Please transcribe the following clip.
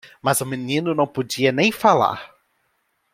Mas o menino não podia nem falar.